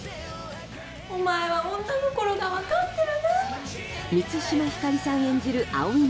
お前は女心が分かってるな。